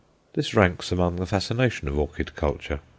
This ranks among the fascinations of orchid culture.